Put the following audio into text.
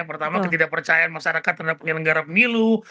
pertama ketidakpercayaan masyarakat terhadap penyelenggara pemilu